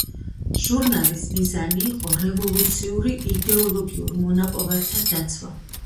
ჟურნალის მიზანი იყო რევოლუციური იდეოლოგიურ მონაპოვართა დაცვა.